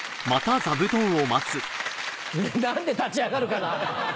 何で立ち上がるかな。